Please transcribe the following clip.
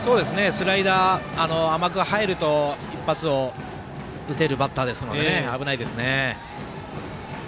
スライダー甘く入ると一発を打てるバッターですので危ないですね。